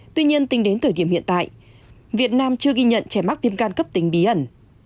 tuy nhiên tính đến thời điểm hiện tại việt nam chưa ghi nhận trẻ mắc viêm gan cấp tính bí ẩn